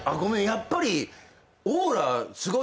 やっぱり。